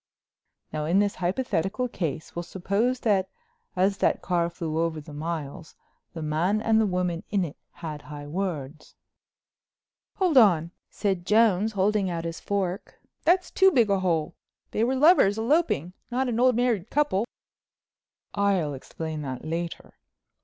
"Now in this hypothetical case we'll suppose that as that car flew over the miles the man and the woman in it had high words?" "Hold on," said Jones, holding out his fork—"that's too big a hole. They were lovers eloping, not an old married couple." "I'll explain that later.